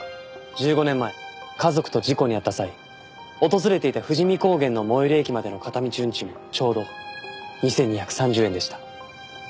１５年前家族と事故に遭った際訪れていた富士見高原の最寄り駅までの片道運賃もちょうど２２３０円でした。